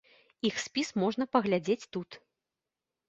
Іх спіс можна паглядзець тут.